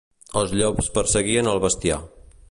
Els llops perseguien el bestiar.